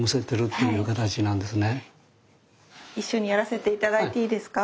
一緒にやらせていただいていいですか？